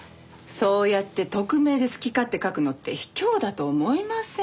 そうやって匿名で好き勝手書くのって卑怯だと思いません？